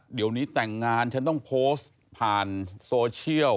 เดี๋ยวนี้แต่งงานฉันต้องโพสต์ผ่านโซเชียล